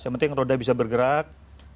yang penting roda bisa bergerak